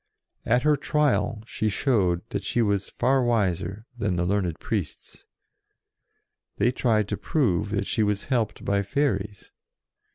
At her Trial she showed that she was far wiser than the learned priests. They tried to prove that she was helped by fairies.